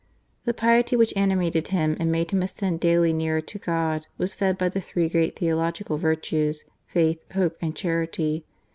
The piety which animated him and made him ascend daily nearer to God was fed by the three great theological virtues — faith, hope, and charity.